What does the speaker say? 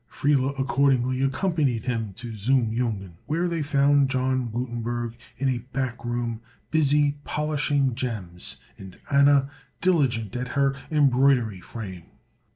Friele accordingly accompanied him to the Zum Jungen, where they found John Gutenberg in a back room, busy polishing gems, and Anna diligent at her embroidery frame.